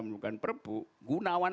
menunjukkan perpu gunawan